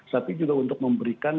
tapi juga untuk memberikan